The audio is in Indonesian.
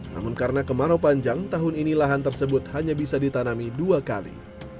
namun karena kemarau panjang tahun ini lahan tersebut hanya bisa ditanami dua kali